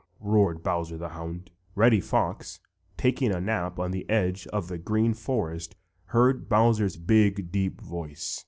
roared Bowser the Hound. Reddy Fox, taking a nap on the edge of the Green Forest, heard Bowser's big, deep voice.